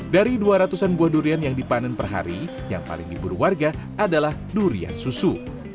dari dua ratus an buah durian yang dipanen per hari yang paling diburu warga adalah durian susu